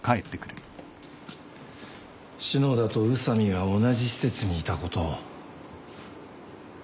篠田と宇佐美が同じ施設にいたことを。